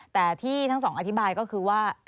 แต่ที่ทั้งสองอธิบายก็คือว่า